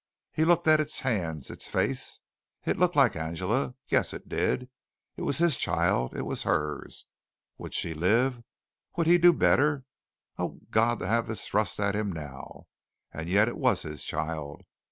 He looked at its hands, its face. It looked like Angela. Yes, it did. It was his child. It was hers. Would she live? Would he do better? Oh, God, to have this thrust at him now, and yet it was his child.